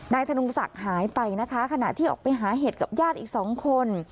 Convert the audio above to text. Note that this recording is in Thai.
ธนงศักดิ์หายไปนะคะขณะที่ออกไปหาเห็ดกับญาติอีกสองคน